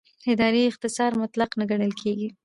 اداري اختیار مطلق نه ګڼل کېږي.